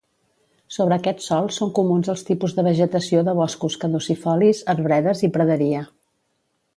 Sobre aquests sòls són comuns els tipus de vegetació de boscos caducifolis, arbredes i praderia.